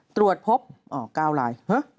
ตรวจพบ๙ลาย